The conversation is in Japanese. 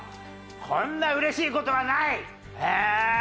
こんなうれしい事はない！